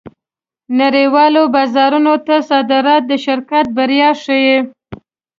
نړۍوالو بازارونو ته صادرات د شرکت بریا ښيي.